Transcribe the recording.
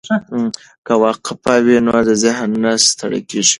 که وقفه وي نو ذهن نه ستړی کیږي.